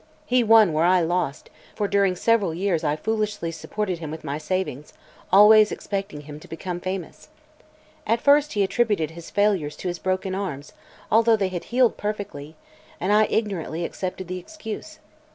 He won where I lost, for during several years I foolishly supported him with my savings, always expecting him to become famous. At first he attributed his failures to his broken arms, although they had healed perfectly, and I ignorantly accepted the excuse.